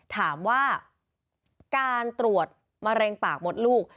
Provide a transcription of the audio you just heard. ถามว่าการตรวจมะเร็งปากมดลูก